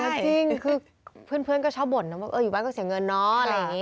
จริงคือเพื่อนก็ชอบบ่นนะว่าอยู่บ้านก็เสียเงินเนาะอะไรอย่างนี้